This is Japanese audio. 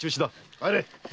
帰れ！